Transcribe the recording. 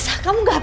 usah ikut campuran